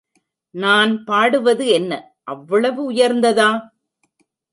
நான் பாடுவது என்ன, அவ்வளவு உயர்ந்ததா?